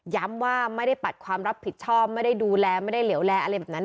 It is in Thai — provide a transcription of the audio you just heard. ว่าไม่ได้ปัดความรับผิดชอบไม่ได้ดูแลไม่ได้เหลวแลอะไรแบบนั้น